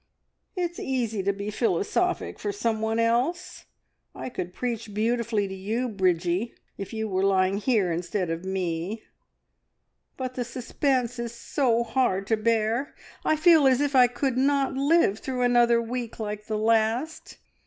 "It's easy to be philosophic for someone else. I could preach beautifully to you, Bridgie, if you were lying here instead of me, but the suspense is so hard to bear! I feel as if I could not live through another week like the last.